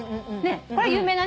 これは有名だね。